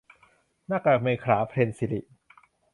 หน้ากากเมขลา - เพ็ญศิริ